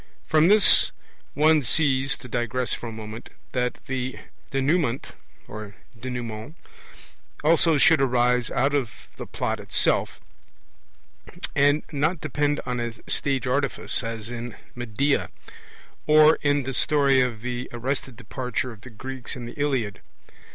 From this one sees (to digress for a moment) that the Denouement also should arise out of the plot itself, arid not depend on a stage artifice, as in Medea, or in the story of the (arrested) departure of the Greeks in the Iliad.